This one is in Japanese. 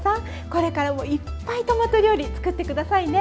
これからもいっぱいトマト料理作って下さいね。